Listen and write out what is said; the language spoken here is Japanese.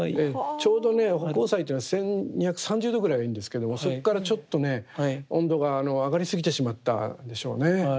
ちょうどね葆光彩というのは１，２３０度ぐらいがいいんですけどもそこからちょっとね温度が上がりすぎてしまったんでしょうね。